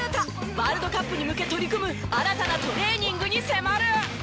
ワールドカップに向け取り組む新たなトレーニングに迫る。